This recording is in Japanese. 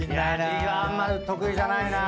字はあんまり得意じゃないな。